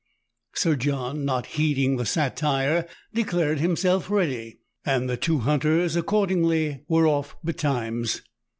Sir John, not heeding the satire, declared himself ready ; and the two hunters, accordingly, were off betimes.